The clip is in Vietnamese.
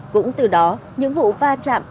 cũng từ đó những vụ va chạm